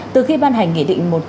từ khi ban hành nghị định một trăm linh